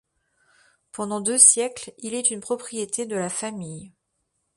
Pendant deux siècles, il est une propriété de la famille.